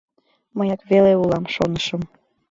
Мыяк веле улам, шонышым.